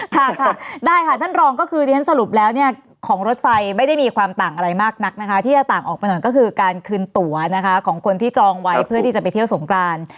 ค่ะได้ค่ะท่านรองก็คือที่ฉันสรุปแล้วเนี่ยของรถไฟไม่ได้มีความต่างอะไรมากนักนะคะที่จะต่างออกไปหน่อยก็คือการคืนตัวนะคะของคนที่จองไว้เพื่อที่จะไปเที่ยวสงกราน